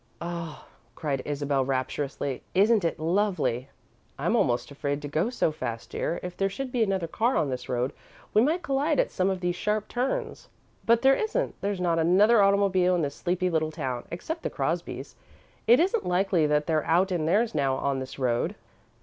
"Oh," cried Isabel, rapturously; "isn't it lovely!" "I'm almost afraid to go so fast, dear. If there should be another car on this road, we might collide at some of these sharp turns." "But there isn't. There's not another automobile in this sleepy little town, except the Crosbys'. It isn't likely that they're out in theirs now, on this road."